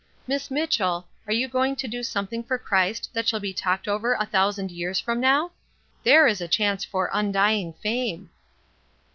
Miss Mitchell, are you going to do something for Christ that shall be talked over a thousand years from now? There is a chance for undying fame."